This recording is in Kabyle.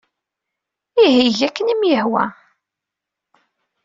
Ihi eg akken ay am-yehwa.